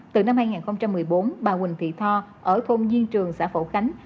từ năm hai nghìn một mươi bốn bà huỳnh thị tho ở thôn duyên trường xã phổ khánh